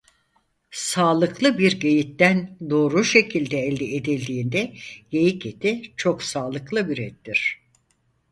Sağlıklı bir geyikten doğru şekilde elde edildiğinde geyik eti çok sağlıklı bir ettir.